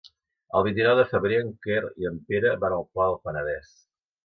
El vint-i-nou de febrer en Quer i en Pere van al Pla del Penedès.